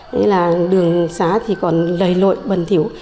nên là đường xá thì còn lầy lội bần thiểu